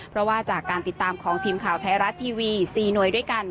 เพราะว่าจากการติดตามของทีมข่าวไทยรัฐทีวี๔หน่วยด้วยกัน